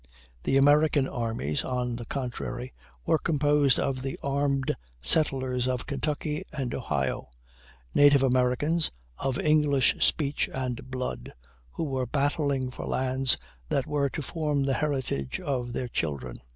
The American armies, on the contrary, were composed of the armed settlers of Kentucky and Ohio, native Americans, of English speech and blood, who were battling for lands that were to form the heritage of their children.